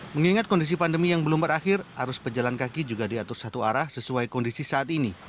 mengingat kondisi pandemi yang belum berakhir arus pejalan kaki juga diatur satu arah sesuai kondisi saat ini